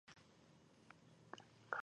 د بې آب او ننګ زاغ سارانو څخه.